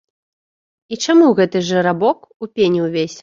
І чаму гэты жарабок у пене ўвесь?